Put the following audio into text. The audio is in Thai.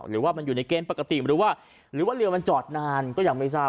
หรือว่ามันอยู่ในเกณฑ์ปกติหรือว่าหรือว่าเรือมันจอดนานก็ยังไม่ทราบ